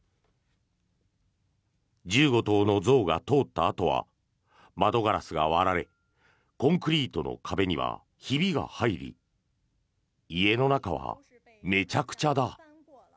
１５頭の象が通ったあとは窓ガラスが割られコンクリートの壁にはひびが入り家の中は、めちゃくちゃだ。